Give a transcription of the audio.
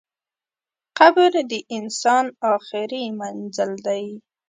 قبر د انسان اخري منزل دئ.